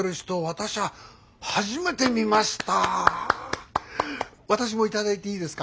私も頂いていいですか？